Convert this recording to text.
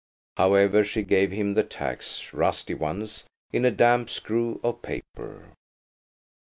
However, she gave him the tacks–rusty ones, in a damp screw of paper.